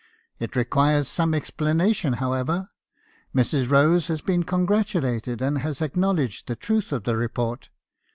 It requires some explanation, however. Mrs. Rose has been congratulated, and has acknowledged the truth of the report.